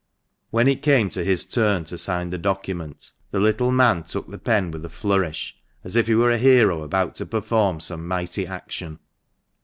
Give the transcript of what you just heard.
When it came to his turn to sign the document, the little man took the pen with a flourish, as if he were a hero about to perform some mighty action.